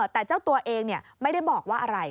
แต่เจ้าตัวเองไม่ได้บอกว่าอะไร